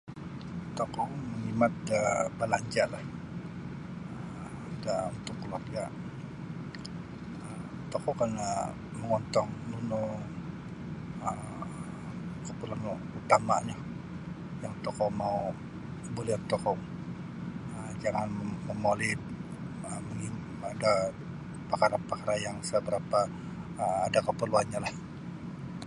Tokou mangimat da balanja'lah um da untuk kaluarga' tokou um kana' mongontong nunu um kaparluan utama'nyo yang tokou mau' bolion tokou um jangan momoli um pada parkara'-parkara' yang sa barapa' um ada kaparluannyolah.